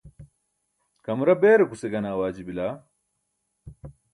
kamara beerukuce gane awaaji bila?